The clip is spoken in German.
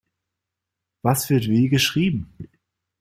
Was wird wie geschrieben?